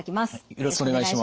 よろしくお願いします。